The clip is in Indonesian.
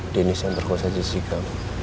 dennis yang perkuasa jessica